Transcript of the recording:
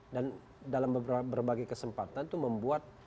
dalam berbagai kesempatan itu membuat